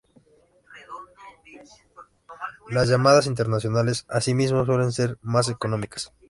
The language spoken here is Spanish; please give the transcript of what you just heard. Las llamadas internacionales, asimismo, suelen ser más económicas.